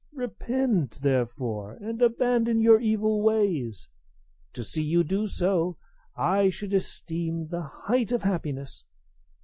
Repent, therefore, and abandon your evil ways. To see you do so I should esteem the height of happiness.